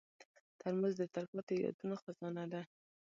ترموز د تلپاتې یادونو خزانه ده.